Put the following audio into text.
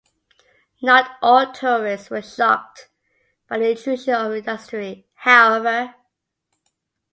Not all tourists were shocked by the intrusion of industry, however.